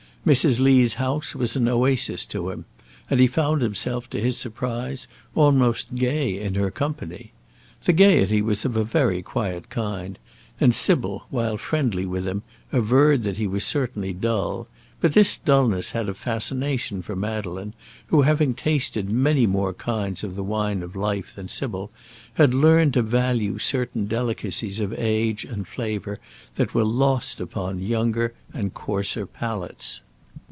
Mrs. Lee's house was an oasis to him, and he found himself, to his surprise, almost gay in her company. The gaiety was of a very quiet kind, and Sybil, while friendly with him, averred that he was certainly dull; but this dulness had a fascination for Madeleine, who, having tasted many more kinds of the wine of life than Sybil, had learned to value certain delicacies of age and flavour that were lost upon younger and coarser palates.